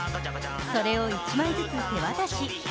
それを１枚ずつ手渡し。